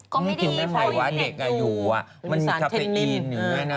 ก็ไม่ดีเพราะว่าเด็กอยู่มันมีคาเฟอีนอยู่ไงนะ